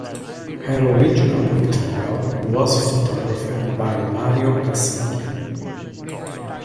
Her original pictorial was photographed by Mario Casilli.